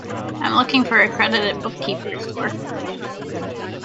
I am looking for accredited bookkeepers to work for me.